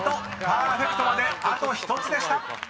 パーフェクトまであと１つでした］